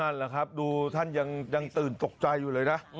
นั่นแหละครับดูท่านยังตื่นตกใจอยู่เลยนะ